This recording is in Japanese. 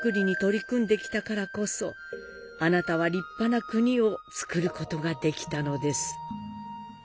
あなたは立派な国を造ることができたのです」